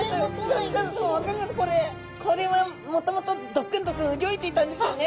これはもともとドックンドックンうギョいていたんですよね。